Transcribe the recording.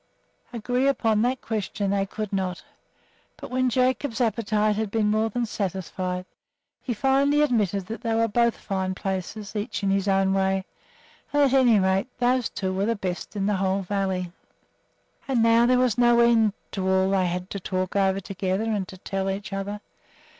Agree upon that question they could not; but when Jacob's appetite had been more than satisfied he finally admitted that they were both fine places, each one in its own way, and that, at any rate, those two were the best in the whole valley. And now there was no end to all they had to talk over together and to tell each other.